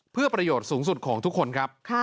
เพื่อประโยชน์สูงสุดของทุกคนครับ